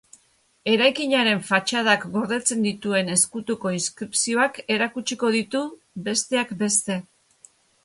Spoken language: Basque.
Eraikinaren fatxadak gordetzen dituen ezkutuko inskripzioak erakutsiko ditu, besteak beste.